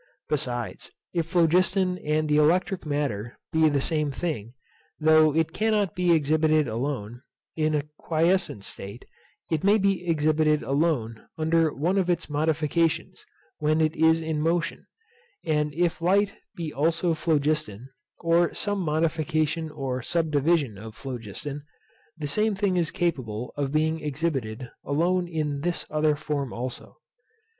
Besides, if phlogiston and the electric matter be the same thing, though it cannot be exhibited alone, in a quiescent state, it may be exhibited alone under one of its modifications, when it is in motion. And if light be also phlogiston, or some modification or subdivision of phlogiston, the same thing is capable of being exhibited alone in this other form also.